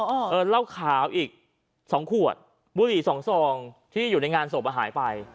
เออเหล้าขาวอีกสองขวดบุหรี่สองซองที่อยู่ในงานศพอ่ะหายไป